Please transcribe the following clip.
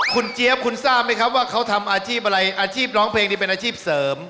คุณเจี๊ยบคุณทราบไหมครับว่าเขาทำอาชีพอะไรอาชีพร้องเพลงนี้เป็นอาชีพเสริม